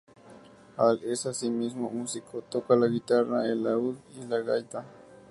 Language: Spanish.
Hall es, asimismo, músico: toca la guitarra, el laúd y la gaita.